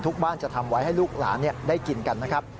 บ้านจะทำไว้ให้ลูกหลานได้กินกันนะครับ